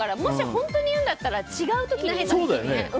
本当に言うんだったら違う時に言う。